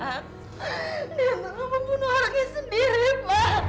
dia selalu membunuh orangnya sendiri pak